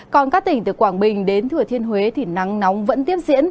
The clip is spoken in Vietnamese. còn các tỉnh từ quảng bình đến thừa thiên huế thì nắng nóng vẫn tiếp diễn